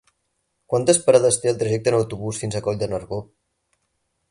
Quantes parades té el trajecte en autobús fins a Coll de Nargó?